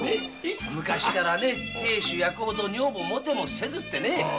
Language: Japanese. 昔から「亭主やくほど女房もてもせず」ってね。